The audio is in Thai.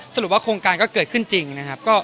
สรุปว่าโครงการก็เกิดขึ้นจริงนะครับ